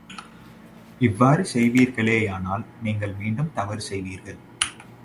இவ்வாறு செய்வீர்களேயானால், நீங்கள் மீண்டும் தவறு செய்வீர்கள்!